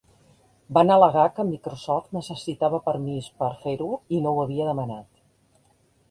Van al·legar que Microsoft necessitava permís per a fer-ho i no ho havia demanat.